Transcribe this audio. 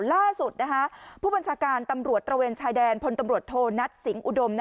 ล่าสุดผู้บัญชาการตำรวจตระเวนชายแดนพลตำรวจโทนัทสิงหุดม